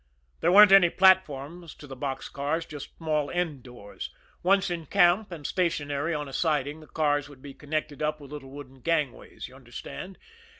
There weren't any platforms to the box cars, just small end doors. Once in camp, and stationary on a siding, the cars would be connected up with little wooden gangways, you understand?